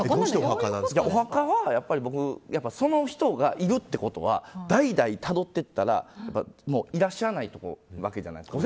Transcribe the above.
お墓はその人がいるってことは代々たどればいらっしゃらないわけじゃないですか。